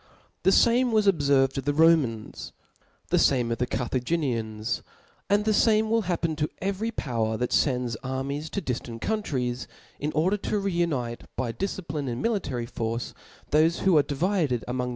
The fame was pbfdrvtdof the Romans;* the fame ofthe Carthaginians \ and the fame will happen to every power that fends armies to diftant cDuntdes,^ in or^ dei:|o re uniterby difcipline and military force, thol6 who are (Kvided among.